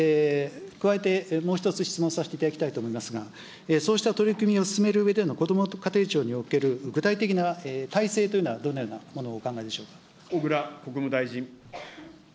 加えて、もう一つ質問させていただきたいと思いますが、そうした取り組みを進めるうえでのこども家庭庁における具体的な体制というのは、どのようなものをお考え小倉国務大臣。